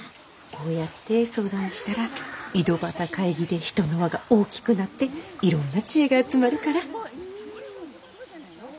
こうやって相談したら井戸端会議で人の輪が大きくなっていろんな知恵が集まるから。